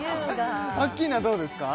アッキーナどうですか？